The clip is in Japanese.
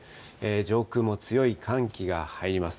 上空も強い寒気が入ります。